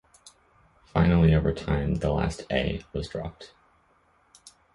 Finally over time the last "a" was dropped.